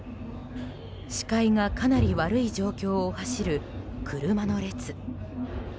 視界がかなり悪い状況を走る車の列。